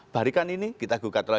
barikan ini kita gugat lagi